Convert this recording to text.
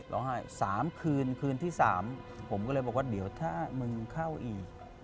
ให้๓คืนคืนที่๓ผมก็เลยบอกว่าเดี๋ยวถ้ามึงเข้าอีก